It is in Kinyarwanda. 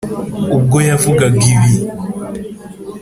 ubwo yavugaga ibi,